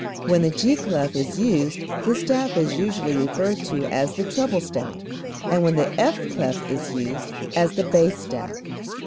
When the G clef is used the staff is usually referred to as the treble staff, and when the F clef is used, as the bass staff.